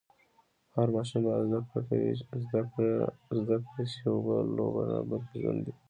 هر ماشوم باید زده کړي چي اوبه لوبه نه بلکې ژوند دی.